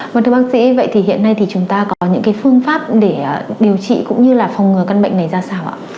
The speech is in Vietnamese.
vâng thưa bác sĩ vậy thì hiện nay thì chúng ta có những cái phương pháp để điều trị cũng như là phòng ngừa căn bệnh này ra sao ạ